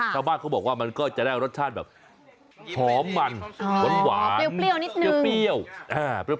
ชาวบ้านเขาบอกว่ามันก็จะได้รสชาติแบบหอมมันหวานเปรี้ยวนิดนึงเปรี้ยว